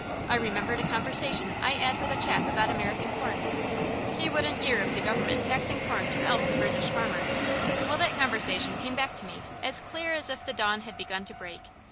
I remembered a conversation I 'ad with a chap about American corn. He wouldn't 'ear of the Government taxing corn to 'elp the British farmer. Well, that conversation came back to me as clear as if the dawn had begun to break.